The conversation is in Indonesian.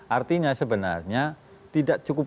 artinya sebenarnya tidak cukup